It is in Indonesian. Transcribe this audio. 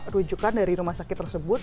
rujukan dari rumah sakit tersebut